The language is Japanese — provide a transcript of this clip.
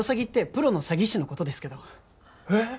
プロの詐欺師のことですけどえーっ！？